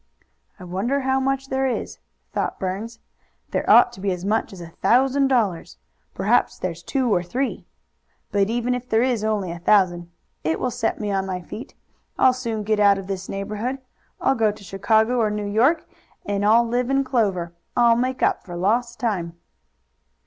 "I wonder how much there is," thought Burns. "There ought to be as much as a thousand dollars. Perhaps there's two or three. But even if there is only a thousand it will set me on my feet. I'll soon get out of this neighborhood. I'll go to Chicago or New York, and I'll live in clover. I'll make up for lost time."